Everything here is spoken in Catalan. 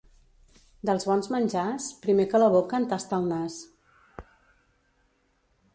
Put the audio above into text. Dels bons menjars, primer que la boca en tasta el nas.